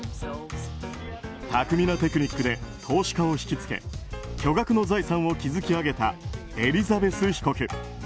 巧みなテクニックで投資家を引き付け巨額の財産を築き上げたエリザベス被告。